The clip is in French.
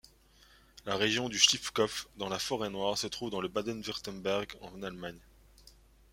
La région du Schliffkopf dans la Forêt-Noire se trouve dans le Bade-Wurtemberg en Allemagne.